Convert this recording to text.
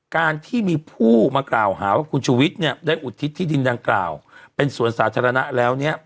การที่มีผู้มากราวหาว่าคุณชุวิตได้อุดทิศที่ดินดังกล่าวเป็นสวนสาธารณะแล้ว